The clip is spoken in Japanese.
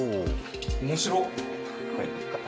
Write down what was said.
面白っ。